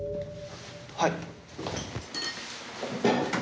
はい。